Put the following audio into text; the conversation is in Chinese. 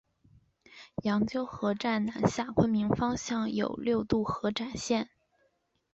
羊臼河站南下昆明方向有六渡河展线。